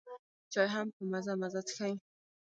چای هم په مزه مزه څښي.